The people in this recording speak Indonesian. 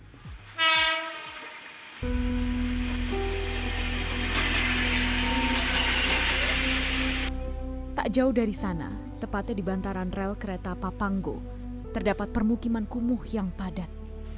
hai tak jauh dari sana tepatnya di bantaran rel kereta papanggo terdapat permukiman kumuh yang padat